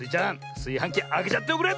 すいはんきあけちゃっておくれ！